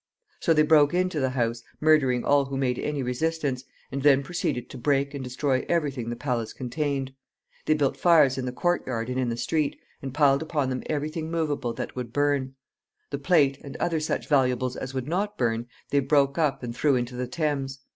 So they broke into the house, murdering all who made any resistance, and then proceeded to break and destroy every thing the palace contained. They built fires in the court yard and in the street, and piled upon them every thing movable that would burn. The plate, and other such valuables as would not burn, they broke up and threw into the Thames.